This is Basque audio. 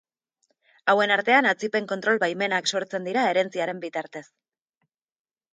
Hauen artean atzipen kontrol baimenak sortzen dira herentziaren bitartez.